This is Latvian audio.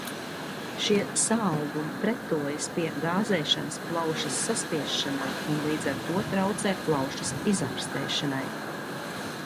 Šie saaugumi pretojas pie gāzēšanas plaušas saspiešanai un līdz ar to traucē plaušas izārstēšanai.